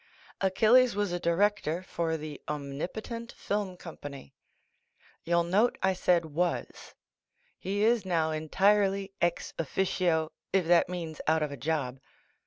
Achilles was a director for the Omnipo tent Film Company. You'll nate I said "was " He is noM entirely ex~officio if that means out of a job.